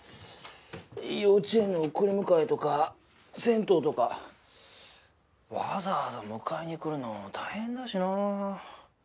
幼稚園の送り迎えとか銭湯とかわざわざ迎えに来るの大変だしなあ。